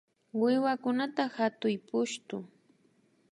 Wiwakunata hatuy pushtu